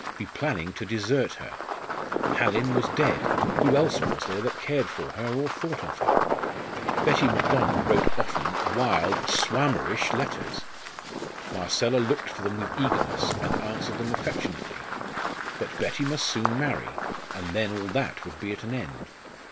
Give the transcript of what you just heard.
be planning to desert her. Hallin was dead who else was there that cared for her or thought of her? Betty Macdonald wrote often, wild, "schwärmerisch" letters. Marcella looked for them with eagerness, and answered them affectionately. But Betty must soon marry, and then all that would be at an end.